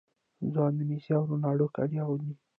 ځوانان د میسي او رونالډو کالي اغوندي.